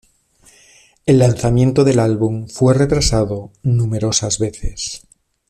El lanzamiento del álbum fue retrasado numerosas veces.